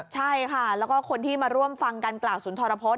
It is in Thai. ใช่ค่ะแล้วก็คนที่มาร่วมฟังการกล่าวสุนทรพฤษ